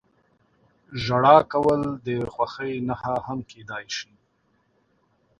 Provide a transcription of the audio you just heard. • ژړا کول د خوښۍ نښه هم کېدای شي.